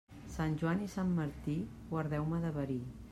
Sant Joan i Sant Martí, guardeu-me de verí.